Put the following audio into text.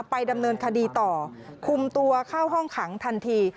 ไปดำเนินคดีต่อคุมตัวเข้าห้องขังทันที